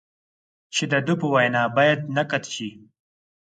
چې د ده په وینا باید نقد شي.